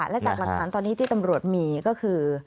และจากหลักฐานตอนนี้ที่ตำรวจมีก็คือ